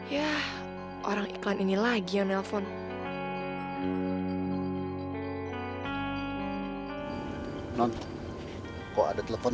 yah orang iklan ini lagi yang nelfon